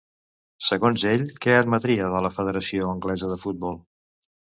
Segons ell, què admetria de la Federació Anglesa de Futbol?